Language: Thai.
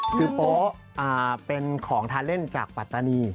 คือโป๊ะเป็นของทานเล่นจากปัตตานี